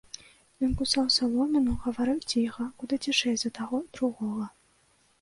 Ён кусаў саломіну, гаварыў ціха, куды цішэй за таго, другога.